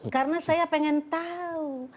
karena saya pengen tahu